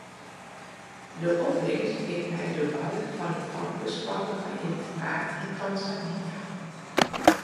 De opbringst giet nei de bou fan in famkesskoalle mei ynternaat yn Tanzania.